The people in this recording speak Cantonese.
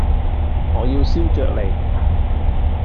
我要燒鵲脷